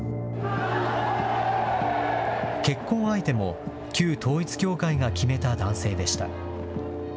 結婚相手も旧統一教会が決めた男性でした。